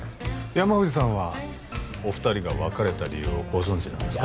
山藤さんはお二人が別れた理由をご存じなんですか？